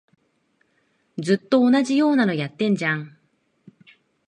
ずっと同じようなのやってんじゃん